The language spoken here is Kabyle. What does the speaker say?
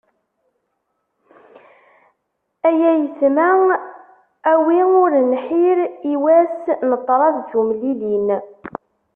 Ay ayetma a wi ur nḥir, i wass n ṭṭrad tumlilin.